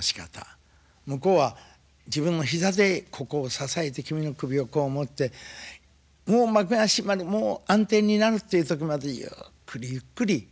向こうは自分も膝でここを支えて君の首をこう持ってもう幕が閉まるもう暗転になるっていうとこまでゆっくりゆっくり。